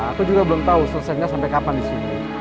aku juga belum tahu selesainya sampai kapan disini